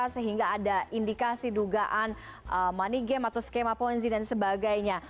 sehingga ada indikasi dugaan money game atau skema ponzi dan sebagainya